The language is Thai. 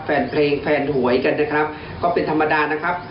แฟนเพลงแฟนหวยกันนะครับก็เป็นธรรมดานะครับ